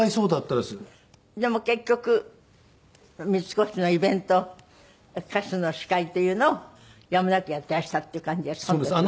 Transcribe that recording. でも結局三越のイベント歌手の司会というのをやむなくやっていらしたっていう感じ。